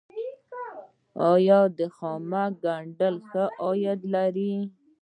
آیا د خامک ګنډل ښه عاید لري؟